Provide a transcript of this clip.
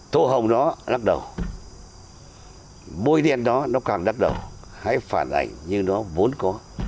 thô hồng đó đắt đầu bôi đen đó nó càng đắt đầu hãy phản ảnh như nó vốn có